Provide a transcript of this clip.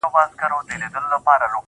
خدايه ستا په ياد ، ساه ته پر سجده پرېووت